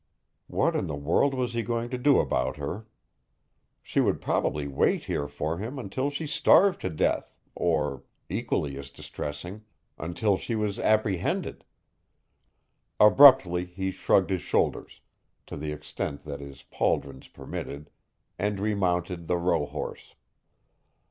What in the world was he going to do about her? She would probably wait here for him until she starved to death or, equally as distressing, until she was apprehended. Abruptly he shrugged his shoulders to the extent that his pauldrons permitted and remounted the rohorse.